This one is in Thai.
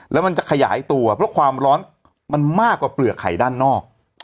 แล้วมันจะขยายตัวเพราะความร้อนมันมากกว่าเปลือกไข่ด้านนอก